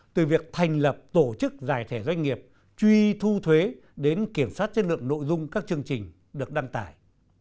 từ việc thành lập tổ chức giải thể doanh nghiệp truy thu thuế đến kiểm soát chất lượng nội dung các chương trình được đăng tải